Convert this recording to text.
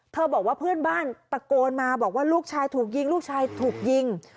บอกว่าเพื่อนบ้านตะโกนมาบอกว่าลูกชายถูกยิงลูกชายถูกยิง